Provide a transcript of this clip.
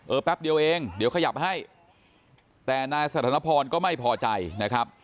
แป๊บเดียวเองเดี๋ยวขยับให้แต่นายสถานพรก็ไม่พอใจนะครับ